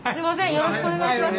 よろしくお願いします。